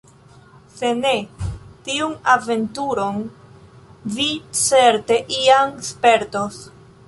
Se ne, tiun aventuron vi certe iam spertos.